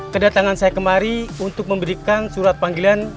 kedatangan saya kemari untuk memberikan surat panggilan